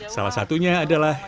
salah satunya adalah